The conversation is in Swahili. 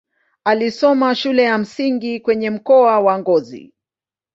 Alisoma shule ya msingi kwenye mkoa wa Ngozi.